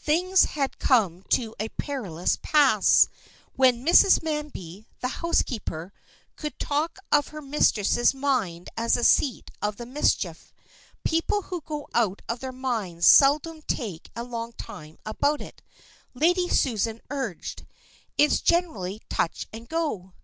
Things had come to a perilous pass, when Mrs. Manby, the housekeeper, could talk of her mistress's mind as the seat of the mischief. People who go out of their minds seldom take a long time about it, Lady Susan urged. "It's generally touch and go."